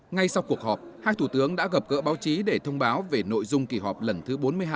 ngay sau cuộc họp hai thủ tướng đã gặp gỡ báo chí để thông báo về nội dung kỳ họp lần thứ bốn mươi hai